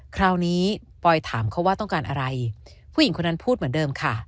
คราวนี้ปอยถามเขาว่าต้องการอะไรผู้หญิงคนนั้นพูดเหมือนเดิมค่ะ